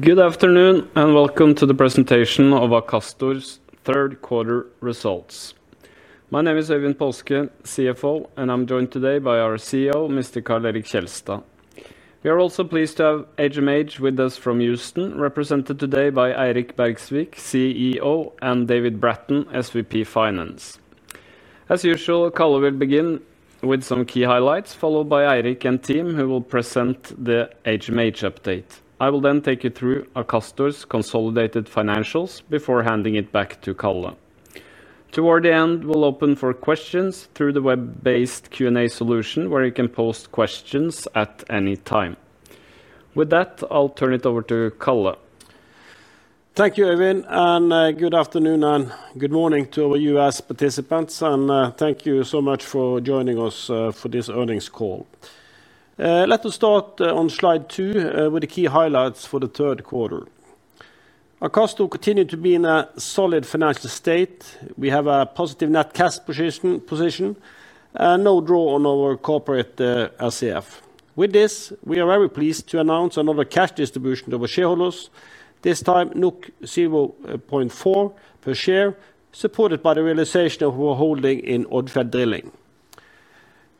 Good afternoon and welcome to the presentation of Akastor's third quarter results. My name is Øyvind Paaske, CFO, and I'm joined today by our CEO, Mr. Karl Erik Kjelstad. We are also pleased to have HMH with us from Houston, represented today by Eirik Bergsvik, CEO, and David Bratton, SVP Finance. As usual, Karl will begin with some key highlights followed by Eirik and team, who will present the HMH update. I will then take you through Akastor's consolidated financials before handing it back to Karl. Toward the end, we'll open for questions through the web-based Q&A solution where you can post questions at any time. With that, I'll turn it over to Karl. Thank you, Øyvind, and good afternoon and good morning to our U.S. participants, and thank you so much for joining us for this earnings call. Let us start on slide two with the key highlights for the third quarter. Akastor will continue to be in a solid financial state. We have a positive net cash position and no draw on our corporate revolving credit facilities. With this, we are very pleased to announce another cash distribution to our shareholders, this time 0.4 per share, supported by the realization of our holding in Odfjell Drilling.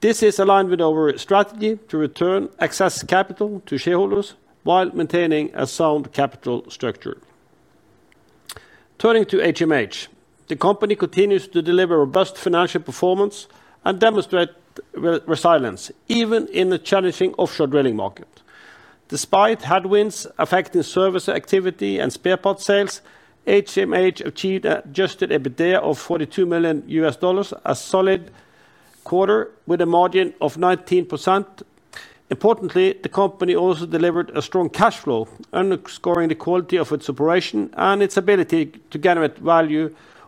This is aligned with our strategy to return excess capital to shareholders while maintaining a sound capital structure. Turning to HMH, the company continues to deliver robust financial performance and demonstrate resilience even in the challenging offshore drilling market. Despite headwinds affecting service activity and spare parts sales, HMH achieved an adjusted EBITDA of $42 million, a solid quarter with a margin of 19%. Importantly, the company also delivered a strong cash flow, underscoring the quality of its operation and its ability to generate value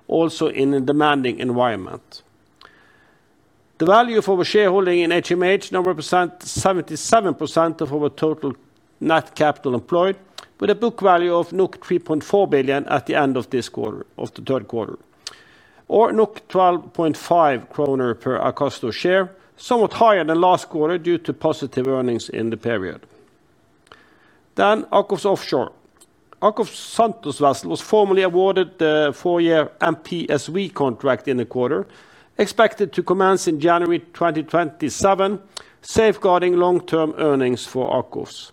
also in a demanding environment. The value of our shareholding in HMH now represents 77% of our total net capital employed, with a book value of 3.4 billion at the end of the third quarter, or 12.5 kroner per Akastor share, somewhat higher than last quarter due to positive earnings in the period. Then AKOFS Offshore, AKOFS Santos was formally awarded the four-year MPSV contract in the quarter, expected to commence in January 2027, safeguarding long-term earnings for AKOFS.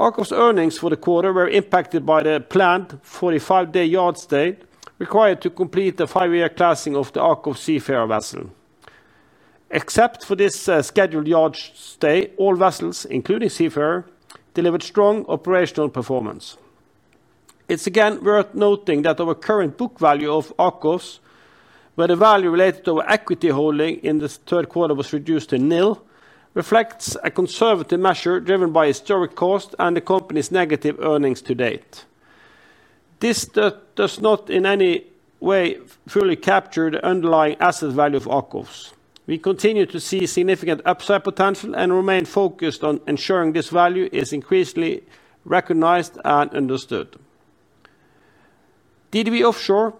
AKOFS earnings for the quarter were impacted by the planned 45 day yard stay required to complete the five-year classing of the AKOFS Seafarer vessel. Except for this scheduled yard stay, all vessels, including Seafarer, delivered strong operational performance. It is again worth noting that our current book value of AKOFS, where the value related to our equity holding in the third quarter was reduced to nil, reflects a conservative measure driven by historic cost and the company's negative earnings to date. This does not in any way fully capture the underlying asset value of AKOFS. We continue to see significant upside potential and remain focused on ensuring this value is increasingly recognized and understood. DDW Offshore,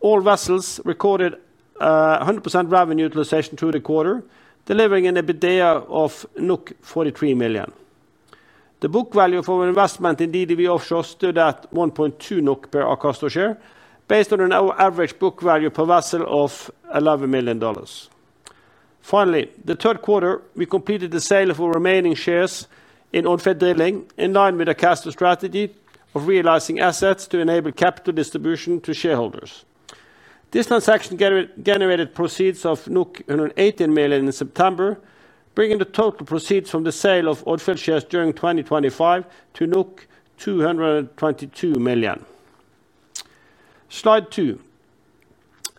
all vessels recorded 100% revenue utilization through the quarter, delivering an EBITDA of 43 million. The book value of our investment in DDW Offshore stood at 1.2 NOK per Akastor share, based on an average book value per vessel of $11 million. Finally, the third quarter we completed the sale of our remaining shares in Odfjell Drilling in line with the cash flow strategy of realizing assets to enable capital distribution to shareholders. This transaction generated proceeds of 118 million in September, bringing the total proceeds from the sale of Odfjell shares during 2024 to 222 million. Slide two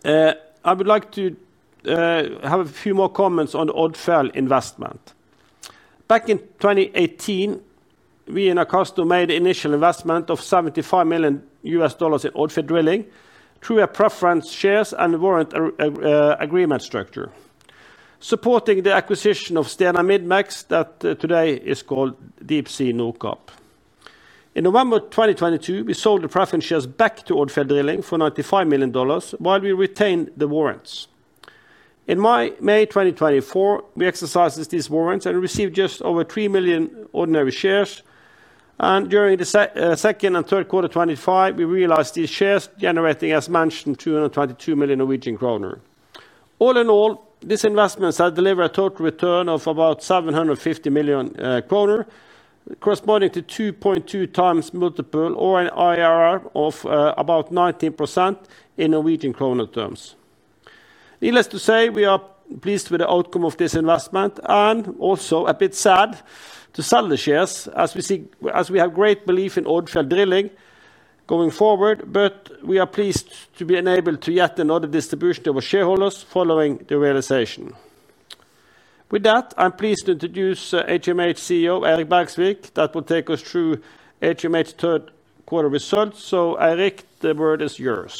I would like to have a few more comments on Odfjell investment. Back in 2018 we in Akastor made initial investment of $75 million in Odfjell Drilling through a preference shares and warrant agreement structure supporting the acquisition of Stena Midmax that today is called Deepsea Nordkapp. In November 2022 we sold the preference shares back to Odfjell Drilling for $95 million while we retained the warrants. In May 2024 we exercised these warrants and received just over 3 million ordinary shares and during the second and third quarter 2024 we realized these shares generating as mentioned, 222 million Norwegian kroner. All in all, these investments have delivered a total return of about 750 million kroner corresponding to 2.2x multiple or an IRR of about 19% in Norwegian kroner terms. Needless to say, we are pleased with the outcome of this investment and also a bit sad to sell the shares as we have great belief in Odfjell Drilling going forward, but we are pleased to be enabled to yet another distribution to our shareholders following the realization. With that I'm pleased to introduce HMH CEO Eirik Bergsvik that will take us through HMH third quarter results. Eirik, the word is yours.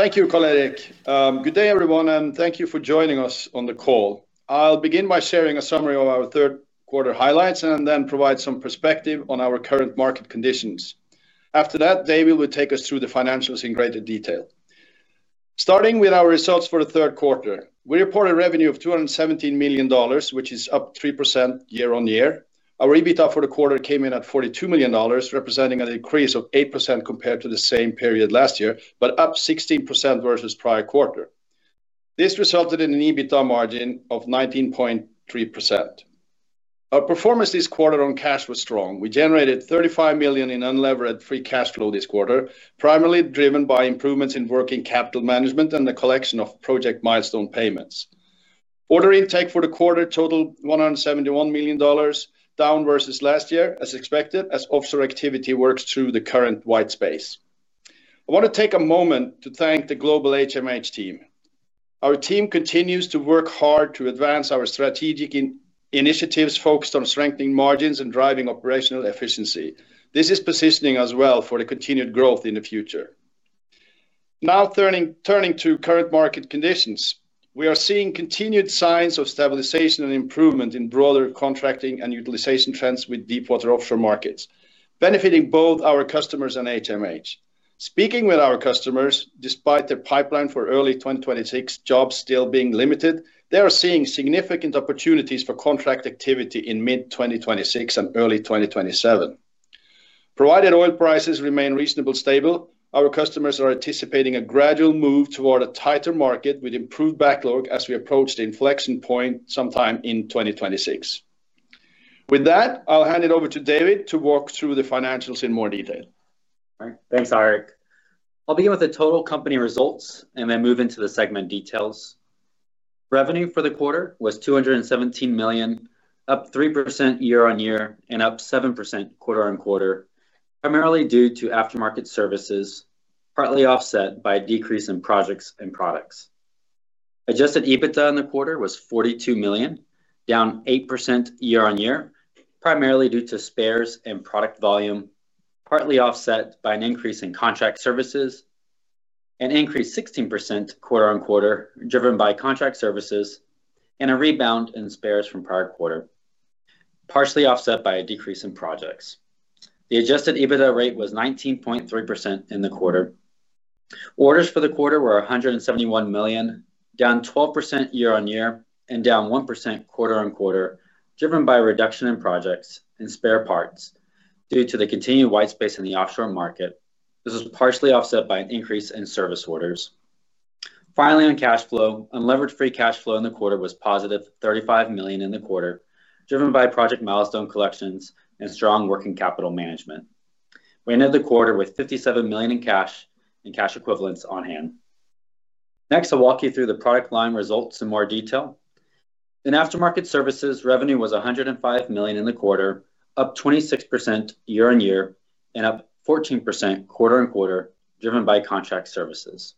Thank you, Karl Erik. Good day everyone, and thank you for joining us on the call. I'll begin by sharing a summary of our third quarter highlights and then provide some perspective on our current market conditions. After that, David will take us through the financials in greater detail. Starting with our results for the third quarter, we reported revenue of $217 million, which is up 3% year-on-year. Our EBITDA for the quarter came in at $42 million, representing an increase of 8% compared to the same period last year, but up 16% versus prior quarter. This resulted in an EBITDA margin of 19.3%. Our performance this quarter on cash was strong. We generated $35 million in unlevered free cash flow this quarter, primarily driven by improvements in working capital management and the collection of project milestone payments. Order intake for the quarter totaled $171 million, down versus last year as expected. As offshore activity works through the current white space, I want to take a moment to thank the global HMH team. Our team continues to work hard to advance our strategic initiatives focused on strengthening margins and driving operational efficiency. This is positioning us well for the continued growth in the future. Now turning to current market conditions, we are seeing continued signs of stabilization and improvement in broader contracting and utilization trends with deepwater offshore markets benefiting both our customers and HMH. Speaking with our customers, despite their pipeline for early 2026 jobs still being limited, they are seeing significant opportunities for contract activity in mid-2026 and early 2027 provided oil prices remain reasonably stable. Our customers are anticipating a gradual move toward a tighter market with improved backlog as we approach the inflection point sometime in 2026. With that, I'll hand it over to David to walk through the financials in more detail. Thanks, Eirik. I'll begin with the total company results and then move into the segment details. Revenue for the quarter was $217 million, up 3% year-on-year and up 7% quarter-on-quarter, primarily due to aftermarket services, partly offset by a decrease in projects and products. Adjusted EBITDA in the quarter was $42 million, down 8% year-on-year, primarily due to spares and product volume, partly offset by an increase in contract services, an increase of 16% quarter-on-quarter driven by contract services and a rebound in spares from the prior quarter, partially offset by a decrease in projects. The adjusted EBITDA rate was 19.3% in the quarter. Orders for the quarter were $171 million, down 12% year-on-year and down 1% quarter-on-quarter, driven by a reduction in projects and spare parts due to the continued white space in the offshore market. This was partially offset by an increase in service orders. Finally, on cash flow, unlevered free cash flow in the quarter was +$35 million in the quarter, driven by project milestone collections and strong working capital management. We ended the quarter with $57 million in cash and cash equivalents on hand. Next, I'll walk you through the product line results in more detail. In aftermarket services, revenue was $105 million in the quarter, up 26% year-on-year and up 14% quarter-on-quarter, driven by contract services.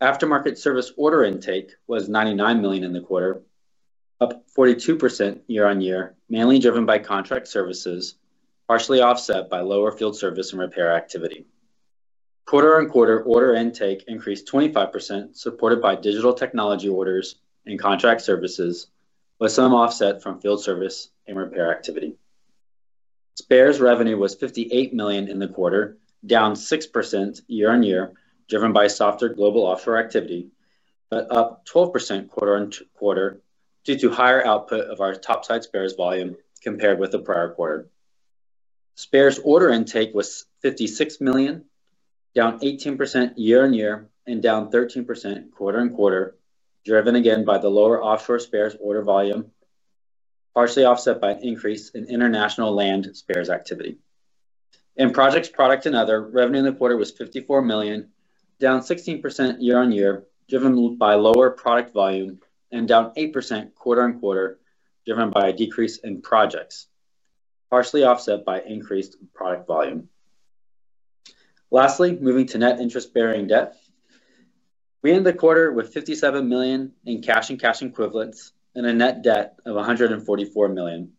Aftermarket service order intake was $99 million in the quarter, up 42% year-on-year, mainly driven by contract services, partially offset by lower field service and repair activity. quarter-on-quarter, order intake increased 25% supported by digital technology orders and contract services, with some offset from field service and repair activity. Spares revenue was $58 million in the quarter, down 6% year-on-year, driven by softer global offshore activity, but up 12% quarter-on-quarter due to higher output of our topside spares volume compared with the prior quarter. Spares order intake was $56 million, down 18% year-on-year and down 13% quarter-on-quarter, driven again by the lower offshore spares order volume, partially offset by an increase in international land spares activity. In projects, product and other revenue in the quarter was $54 million, down 16% year-on-year, driven by lower product volume and down 8% quarter-on-quarter, driven by a decrease in projects, partially offset by increased product volume. Lastly, moving to net interest-bearing debt, we end the quarter with $57 million in cash and cash equivalents and a net debt of $144 million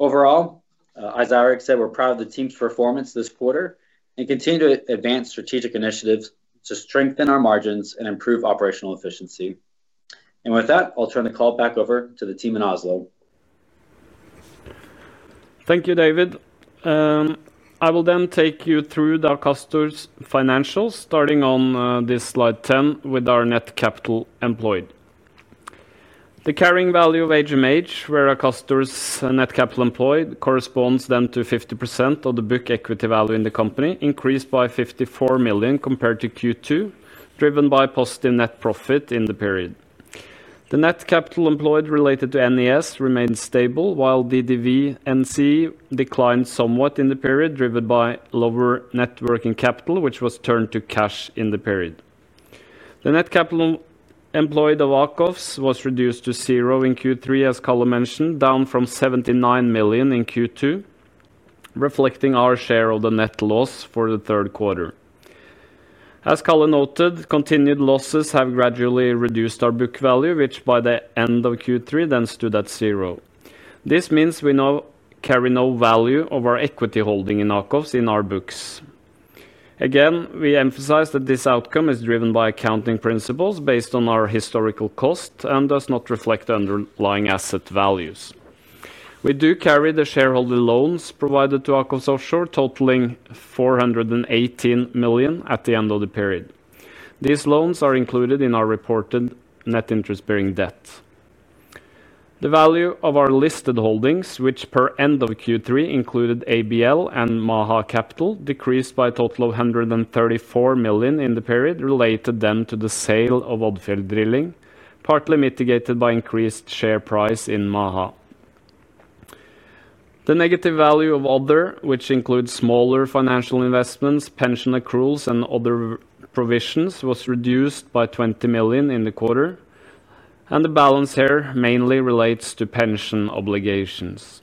overall. As Eirik said, we're proud of the team's performance this quarter and continue to advance strategic initiatives to strengthen our margins and improve operational efficiency. With that, I'll turn the call back over to the team in Oslo. Thank you, David. I will then take you through Akastor's financials, starting on this slide 10 with our net capital employed, the carrying value of HMH, where Akastor's net capital employed corresponds then to 50% of the book. Equity value in the company increased by $54 million compared to Q2, driven by positive net profit in the period. The net capital employed related to NES remains stable, while DDW NC declined somewhat in the period, driven by lower net working capital which was turned to cash in the period. The net capital employed of AKOFS was reduced to $0 in Q3, as Karl noted, down from $79 million in Q2, reflecting our share of the net loss for the third quarter. As Karl noted, continued losses have gradually reduced our book value, which by the end of Q3 then stood at zero. This means we carry no value of our equity holding in AKOFS in our books. Again, we emphasize that this outcome is driven by accounting principles based on our historical cost and does not reflect the underlying asset values. We do carry the shareholder loans provided to AKOFS Offshore totaling $418 million at the end of the period. These loans are included in our reported net interest bearing debt. The value of our listed holdings, which per end of Q3 included ABL and Maha Capital, decreased by a total of $134 million in the period, related then to the sale of Odfjell Drilling, partly mitigated by increased share price in Maha. The negative value of other, which includes smaller financial investments, pension accruals, and other provisions, was reduced by $20 million in the quarter, and the balance here mainly relates to pension obligations.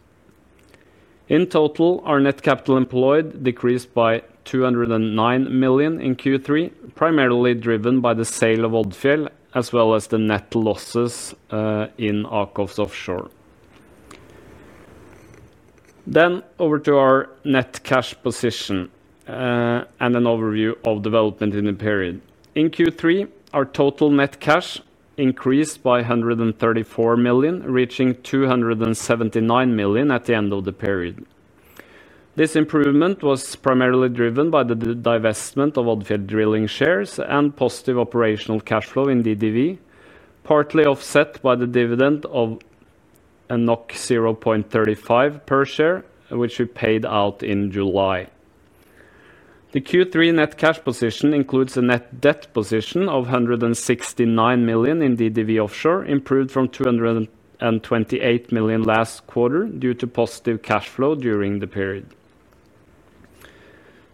In total, our net capital employed decreased by $209 million in Q3, primarily driven by the sale of Odfjell as well as the net losses in AKOFS Offshore. Over to our net cash position and an overview of development in the period, in Q3 our total net cash increased by $134 million, reaching $279 million at the end of the period. This improvement was primarily driven by the divestment of Odfjell Drilling shares and positive operational cash flow in DDW, partly offset by the dividend of 0.35 per share, which we paid out in July. The Q3 net cash position includes a net debt position of $169 million in DDW Offshore, improved from $228 million last quarter due to positive cash flow during the period.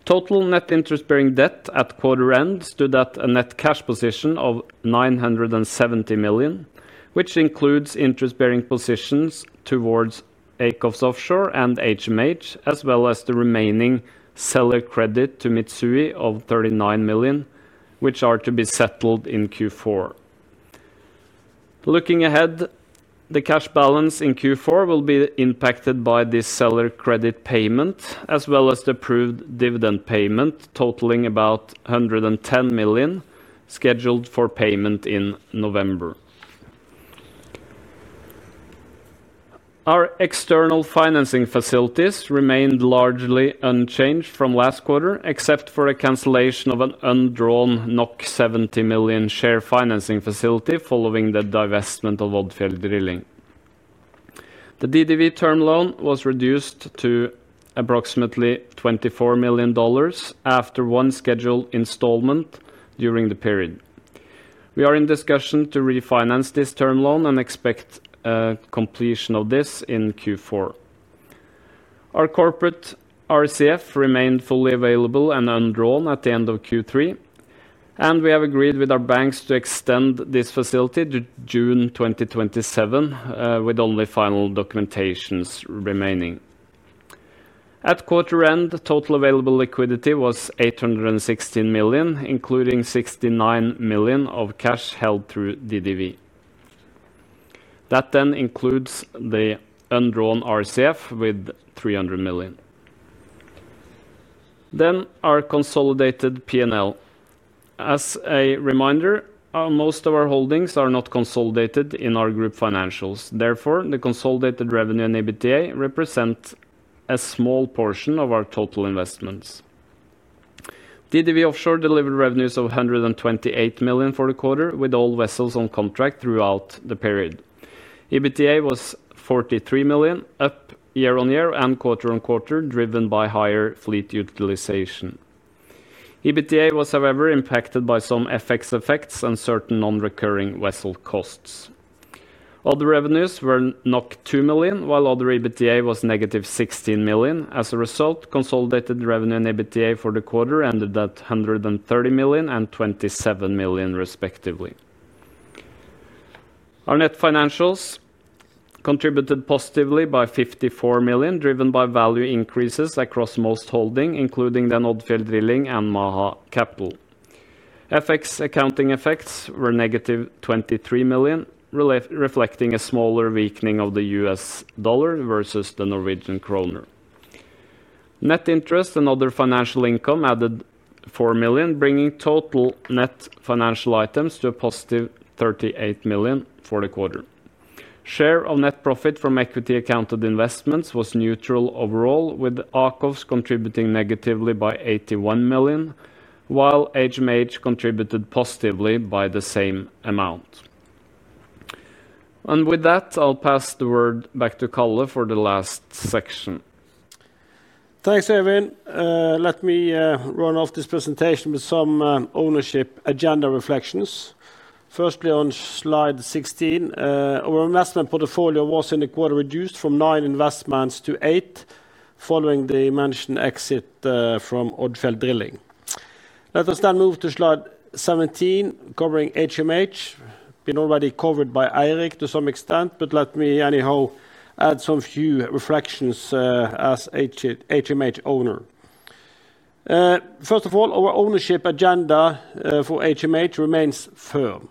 Total net interest bearing debt at quarter end stood at a net cash position of 970 million, which includes interest bearing positions towards AKOFS Offshore and HMH, as well as the remaining seller credit to Mitsui of $39 million, which are to be settled in Q4. Looking ahead, the cash balance in Q4 will be impacted by this seller credit payment as well as the approved dividend payment totaling about 110 million scheduled for payment in November. Our external financing facilities remained largely unchanged from last quarter except for a cancellation of an undrawn 70 million share financing facility following the divestment of Odfjell Drilling. The DDW term loan was reduced to approximately $24 million after one scheduled installment during the period. We are in discussion to refinance this term loan and expect completion of this in Q4. Our corporate RCF remained fully available and undrawn at the end of Q3, and we have agreed with our banks to extend this facility to June 2027, with only final documentation remaining. At quarter end, the total available liquidity was 816 million, including 69 million cash held through DDW. That then includes the undrawn RCF with 300 million. Then our consolidated P&L. As a reminder, most of our holdings are not consolidated in our group financials. Therefore, the consolidated revenue and EBITDA represent a small portion of our total investments. DDW Offshore delivered revenues of $128 million for the quarter with all vessels on contract throughout the period. EBITA was $43 million, up year-on-year and quarter-on-quarter, driven by higher fleet utilization. EBITDA was, however, impacted by some FX effects and certain non-recurring vessel costs. Other revenues were 2 million, while other EBITDA was -16 million. As a result, consolidated revenue and EBITDA for the quarter ended at 130 million and 27 million, respectively. Our net financials contributed positively by 54 million, driven by value increases across most holdings, including Odfjell Drilling and Maha Capital. FX accounting effects were -23 million, reflecting a smaller weakening of the U.S. dollar versus the Norwegian kroner. Net interest and other financial income added 4 million, bringing total net financial items to a +38 million for the quarter. Share of net profit from equity accounted investments was neutral overall, with AKOFS contributing negatively by 81 million, while HMH contributed positively by the same amount. With that, I'll pass the word back to Karl Erik for the last section. Thanks, Øyvind. Let me run off this presentation with some ownership agenda reflections. Firstly, on slide 16, our investment portfolio was in the quarter reduced from 9 investments to 8 following the Mansion exit from Odfjell Drilling. Let us then move to slide 17 covering HMH. Been already covered by Eirik to some extent, but let me anyhow add some few reflections as HMH owner. First of all, our ownership agenda for HMH remains firm.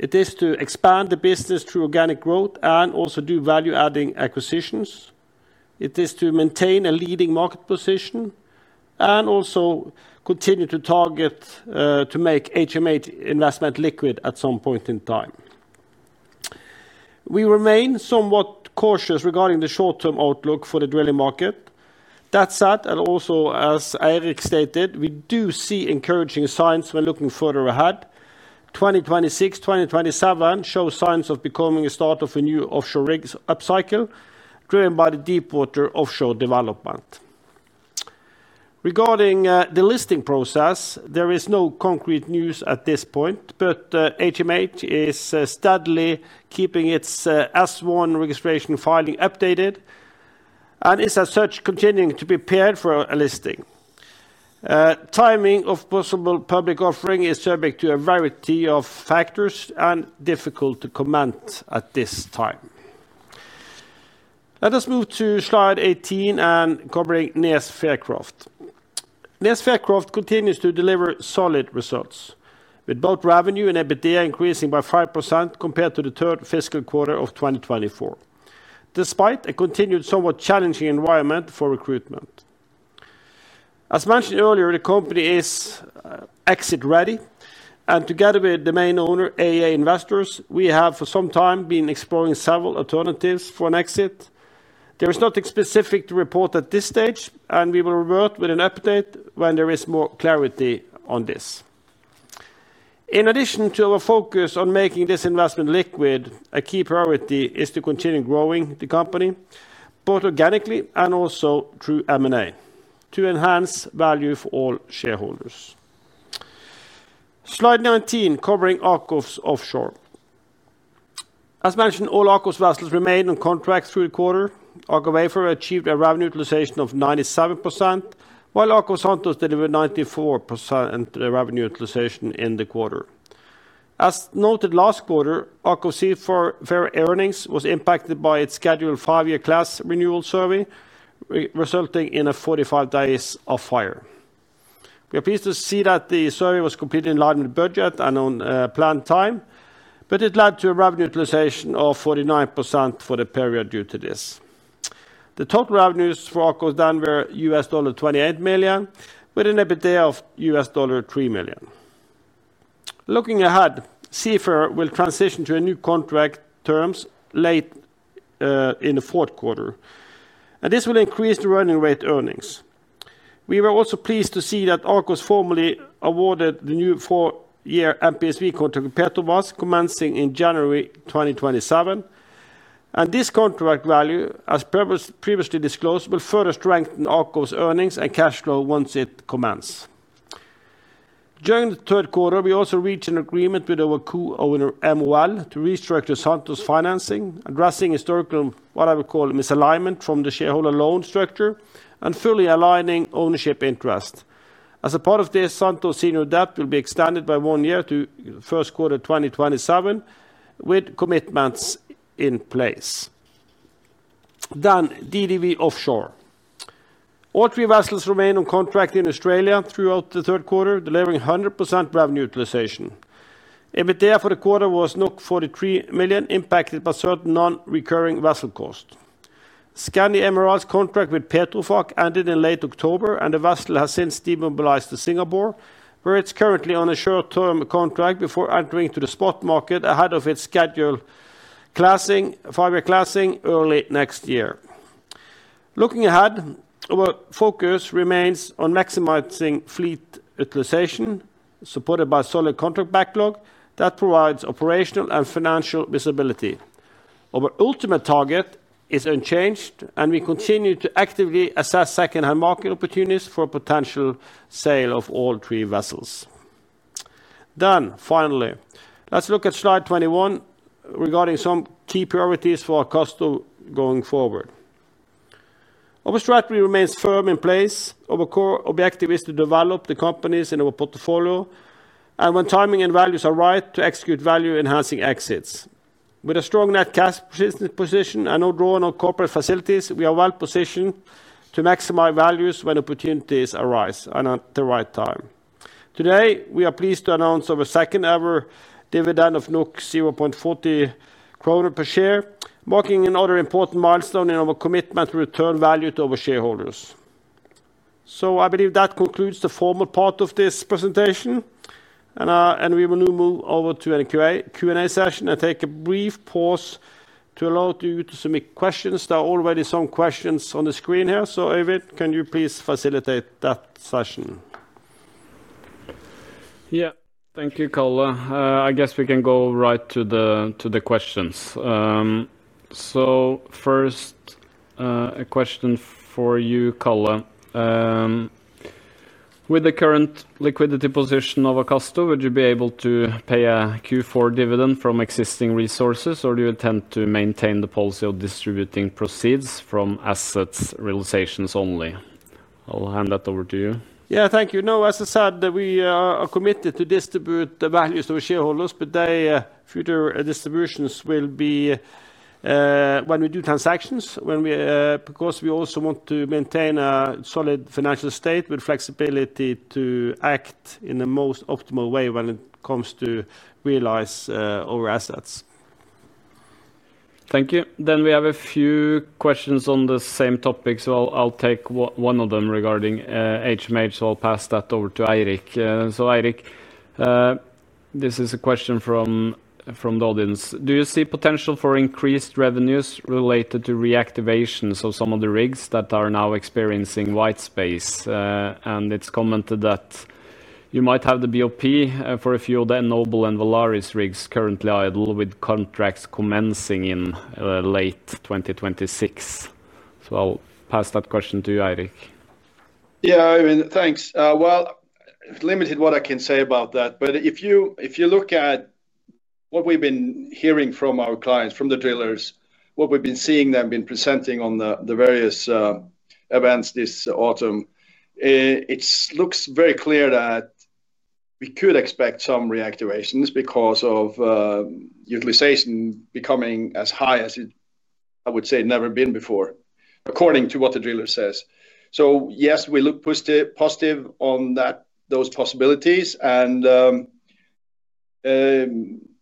It is to expand the business through organic growth and also do value-adding acquisitions. It is to maintain a leading market position and also continue to target to make HMH investment liquid at some point in time. We remain somewhat cautious regarding the short-term outlook for the drilling market. That said, and also as Eirik stated, we do see encouraging signs when looking further ahead. 2026, 2027 show signs of becoming a start of a new offshore rig upcycle driven by the Deepwater Offshore development. Regarding the listing process, there is no concrete news at this point, but HMH is steadily keeping its S-1 registration filing updated and is as such continuing to be prepared for a listing. Timing of possible public offering is subject to a variety of factors and difficult to comment at this time. Let us move to slide 18 and covering NES Fircroft. NES Fircroft continues to deliver solid results with both revenue and EBITDA increasing by 5% compared to the third fiscal quarter of 2024, despite a continued somewhat challenging environment for recruitment. As mentioned earlier, the company is exit ready and together with the main owner AEA Investors, we have for some time been exploring several alternatives for an exit. There is nothing specific to report at this stage and we will revert with an update when there is more clarity on this. In addition to our focus on making this investment liquid, a key priority is to continue growing the company both organically and also through M&A to enhance value for all shareholders. Slide 19 covering AKOFS Offshore. As mentioned, all AKOFS vessels remain on contract through the quarter. AKOFS Wayfarer achieved a revenue utilization of 97% while AKOFS Santos delivered 94% revenue utilization in the quarter. As noted last quarter, AKOFS Seafarer earnings was impacted by its scheduled five-year class renewal survey resulting in 45 days off hire. We are pleased to see that the survey was completely in line with budget and on planned time, but it led to a revenue utilization of 49% for the period. Due to this, the total revenues for AKOFS [Offshore] were $28 million with an EBITDA of $3 million. Looking ahead, Seafarer will transition to new contract terms late in the fourth quarter and this will increase the running rate earnings. We were also pleased to see that AKOFS formally awarded the new four-year NPSV contract commencing in January 2027, and this contract value as previously disclosed will further strengthen AKOFS' earnings and cash flow once it commences during the third quarter. We also reached an agreement with our co-owner MOL to restructure Santos financing, addressing historical what I would call misalignment from the shareholder loan structure and fully aligning ownership interest. As a part of this, Santos senior debt will be extended by one year to first quarter 2027 with commitments in place. DDW Offshore, all three vessels remain on contract in Australia throughout the third quarter delivering 100% revenue utilization. EBITDA for the quarter was 43 million, impacted by certain non-recurring vessel costs. Scandi Emerald contract with Petrofac ended in late October and the vessel has since demobilized to Singapore where it's currently on a short-term contract before entering the spot market ahead of its scheduled five-year classing early next year. Looking ahead, our focus remains on maximizing fleet utilization supported by solid contract backlog that provides operational and financial visibility. Our ultimate target is unchanged and we continue to actively assess secondhand market opportunities for potential sale of all three vessels. Finally, let's look at slide 21 regarding some key priorities for Akastor going forward. Our strategy remains firmly in place. Our core objective is to develop the companies in our portfolio and when timing and values are right, to execute value-enhancing exits. With a strong net cash position and no draw on corporate facilities, we are well positioned to maximize values when opportunities arise and at the right time. Today we are pleased to announce our second ever dividend of 0.40 kroner per share, marking another important milestone in our commitment to return value to our shareholders. I believe that concludes the formal part of this presentation and we will move over to a Q&A session and take a brief pause to allow you to submit questions. There are already some questions on the screen here, so Eivind, can you please facilitate that session? Yeah, thank you, Karl. I guess we can go right to the questions. First, a question for you, Karl. With the current liquidity position of Akastor, would you be able to pay a Q4 dividend from existing resources, or do you intend to maintain the policy of distributing proceeds from asset realizations only? I'll hand that over to you. Yeah, thank you. No, as I said, we are committed to distribute the values to shareholders, but the future distributions will be when we do transactions, because we also want to maintain a solid financial state with flexibility to act in the most optimal way when it comes to realize our assets. Thank you. We have a few questions on the same topic, so I'll take one of them regarding HMH. I'll pass that over to Eirik. Eirik, this is a question from the audience. Do you see potential for increased revenues related to reactivations of some of the rigs that are now experiencing white space? It's commented that you might have the BOP for a few of the Noble and Valaris rigs currently idle, with contracts commencing in late 2026. I'll pass that question to you, Eirik. Yeah, thanks. There is limited what I can say about that, but if you look at what we've been hearing from our clients, from the drillers, what we've been seeing them presenting at the various events this autumn, it looks very clear that we could expect some reactivations because of utilization becoming as high as it, I would say, has never been before, according to what the driller says. Yes, we look positive on those possibilities. And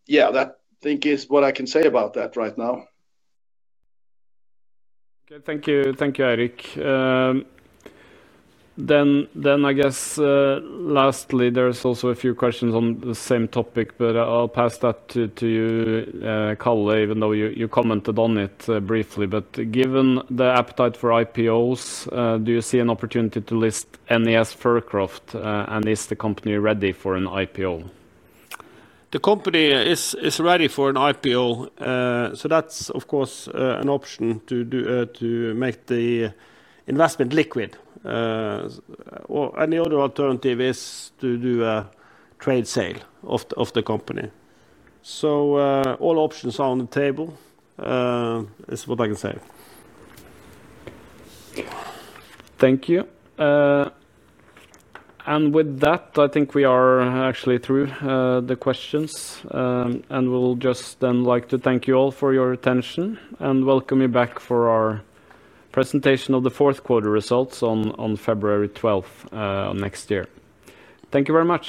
yeah, that I think is what I can say about that right now. Okay, thank you. Thank you, Eirik. I guess lastly there's also a few questions on the same topic, but I'll pass that to you, Karl Erik, even though you commented on it briefly. Given the appetite for IPOs, do you see an opportunity to list NES Fircroft and is the company ready for an IPO? The company is ready for an IPO. That's of course an option to make the investment liquid. Any other alternative is to do a trade sale of the company. All options are on the table is what I can say. Thank you. With that, I think we are actually through the questions, and we'd just like to thank you all for your attention and welcome you back for our presentation of the fourth quarter results on February 12th next year. Thank you very much.